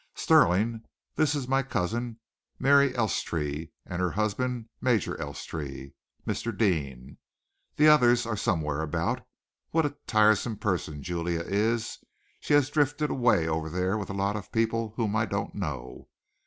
Stirling, this is my cousin, Mary Elstree, and her husband, Major Elstree Mr. Deane! The others are somewhere about. What a tiresome person Julia is! She has drifted away over there with a lot of people whom I don't know.